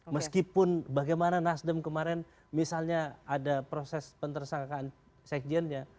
meskipun bagaimana nasdem kemarin misalnya ada proses pentersangkaan sekjennya